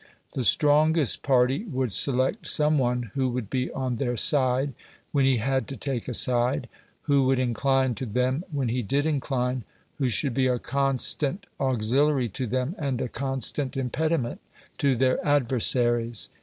The strongest party would select some one who would be on their side when he had to take a side, who would incline to them when he did incline, who should be a constant auxiliary to them and a constant impediment to their adversaries.